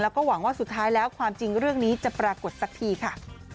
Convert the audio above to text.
แล้วก็หวังว่าสุดท้ายแล้วความจริงเรื่องนี้จะปรากฏสักทีค่ะ